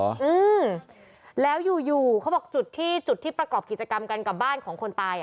ณแล้วอยู่เขาบอกจุดที่ประกอบกิจกรรมกันกับบ้านของคนตาย